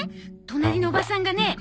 隣のおばさんがね